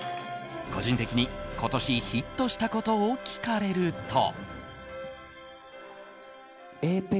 個人的に今年ヒットしたことを聞かれると。